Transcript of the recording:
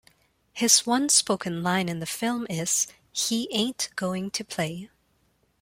His one spoken line in the film is, He ain't going to play.